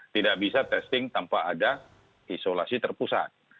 tidak bisa testing tanpa ada isolasi terpusat